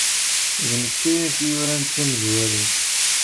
D nekk ay ak-d-yuran d tamezwarut.